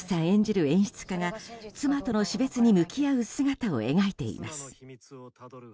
演じる演出家が妻との死別に向き合う姿を描いています。